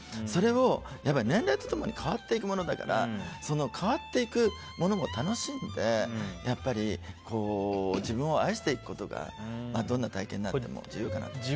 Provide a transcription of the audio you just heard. それを、年齢と共に変わっていくものだから変わっていくものを楽しんでやっぱり自分を愛していくことがどんな体形になることよりも重要かなと。